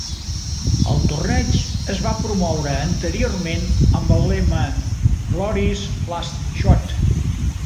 El torneig es va promoure anteriorment amb el lema "Glory's Last Shot".